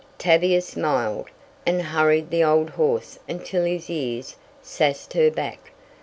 Tavia smiled, and hurried the old horse until his ears "sassed her back."